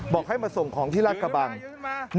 บอกให้มาส่งของที่ราชกระบังยืนขึ้นมายืนขึ้นมา